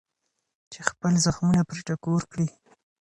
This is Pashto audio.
چې خپل زخمونه پرې ټکور کړي.